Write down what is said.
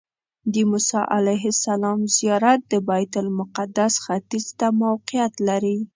د موسی علیه السلام زیارت د بیت المقدس ختیځ ته موقعیت لري.